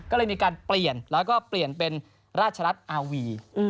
ก็เลยมีการเปลี่ยนแล้วก็เปลี่ยนเป็นราชรัฐอาวี